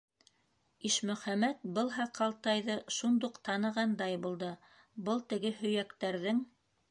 - Ишмөхәмәт был һаҡалтайҙы шундуҡ танығандай булды: был теге һөйәктәрҙең...